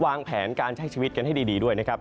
วางแผนการใช้ชีวิตกันให้ดีด้วยนะครับ